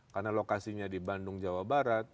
karena lokasinya di bandung jawa barat